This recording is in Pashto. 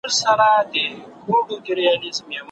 کله موږ د خپلو تېروتنو د سمولو لپاره په وخت غوره ګامونه اخلو؟